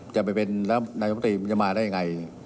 จะไปเป็นแล้วนายมตรีมันจะมาได้ยังไง